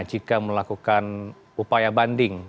jika melakukan upaya banding